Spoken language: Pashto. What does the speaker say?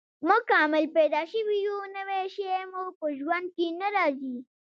موږ کامل پیدا شوي یو، نوی شی مو په ژوند کې نه راځي.